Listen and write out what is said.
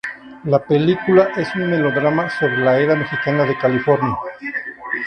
La película es un melodrama sobre la era mexicana de California.